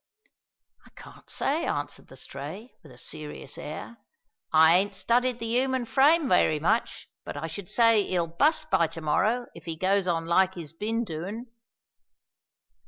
"I can't say," answered the stray, with a serious air; "I ain't studied the 'uman frame wery much, but I should say, 'e'll bust by to morrow if 'e goes on like 'e's bin doin'."